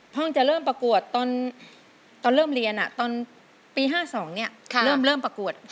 ฮ่องจะเริ่มปรากฏตอนเริ่มเรียนตอนปี๕๒เนี่ยเริ่มปรากฏ